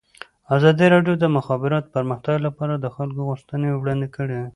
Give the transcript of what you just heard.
ازادي راډیو د د مخابراتو پرمختګ لپاره د خلکو غوښتنې وړاندې کړي.